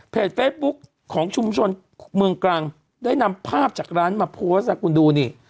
เฟซบุ๊คของชุมชนเมืองกลางได้นำภาพจากร้านมาโพสต์นะคุณดูนี่